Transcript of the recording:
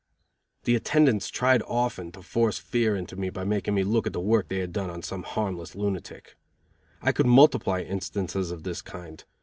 The attendants tried often to force fear into me by making me look at the work they had done on some harmless lunatic. I could multiply instances of this kind.